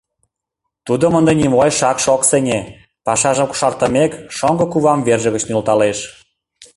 — Тудым ынде нимогай шакше ок сеҥе, — пашажым кошартымек, шоҥго кува верже гыч нӧлталтеш.